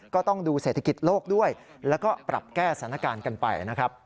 ก็ต้องดูเศรษฐกิจโลกด้วยแล้วก็ปรับแก้สถานการณ์กันไปนะครับ